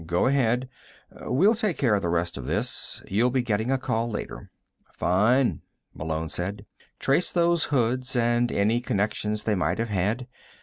"Go ahead. We'll take care of the rest of this. You'll be getting a call later." "Fine," Malone said. "Trace those hoods, and any connections they might have had.